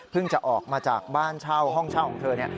จะออกมาจากบ้านเช่าห้องเช่าของเธอ